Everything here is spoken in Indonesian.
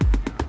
ya udah yaudah